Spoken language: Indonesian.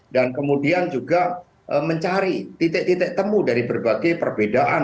dan kemudian juga mencari titik titik temu dari berbagai perbedaan